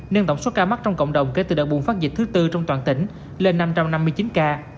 nâng tổng số ca mắc trong cộng đồng kể từ đợt bùng phát dịch thứ tư trong toàn tỉnh lên năm trăm năm mươi chín ca